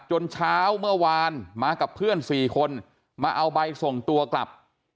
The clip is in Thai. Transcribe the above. เช้าเมื่อวานมากับเพื่อน๔คนมาเอาใบส่งตัวกลับ